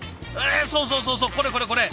そうそうそうそうこれこれこれ。